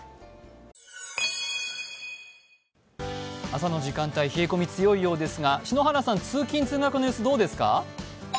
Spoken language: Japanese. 朝の時間帯冷え込み強いようですが、篠原さん、通勤通学の様子どうですか。